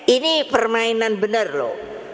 ini permainan benar loh